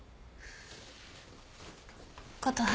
琴葉。